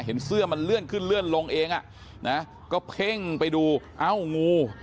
เสื้อมันเลื่อนขึ้นเลื่อนลงเองอ่ะนะก็เพ่งไปดูเอ้างู